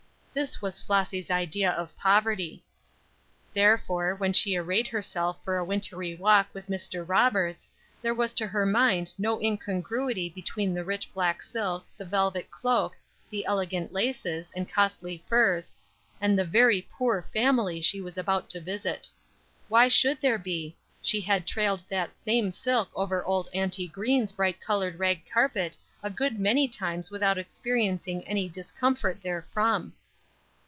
This was Flossy's idea of poverty. Therefore, when she arrayed herself for a wintry walk with Mr. Roberts, there was to her mind no incongruity between the rich black silk, the velvet cloak, the elegant laces, and costly furs, and the "very poor family" she was about to visit. Why should there be? She had trailed that same silk over old Auntie Green's bright colored rag carpet a good many times without experiencing any discomfort therefrom.